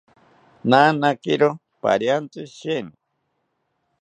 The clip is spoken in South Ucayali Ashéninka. Nanakiro pariantzi sheeni